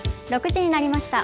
６時になりました。